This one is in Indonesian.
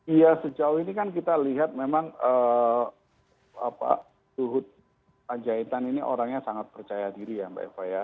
iya sejauh ini kan kita lihat memang luhut panjaitan ini orangnya sangat percaya diri ya mbak eva ya